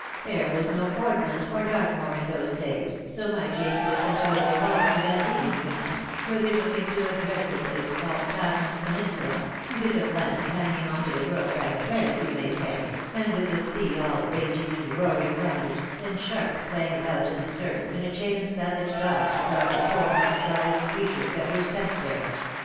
There was no Portland or Dartmoor in those days, so my James was sent over the water to Van Diemen's Land, where they took him to a dreadful place called Tasman's Peninsula, a bit of land hanging on to the world by a thread as you may say, and with the sea all raging and roaring round it, and sharks playing about in the surf, and a chain of savage dogs to guard the poor misguided creatures that were sent there.